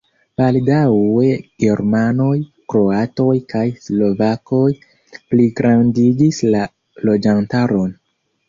Baldaŭe germanoj, kroatoj kaj slovakoj pligrandigis la loĝantaron.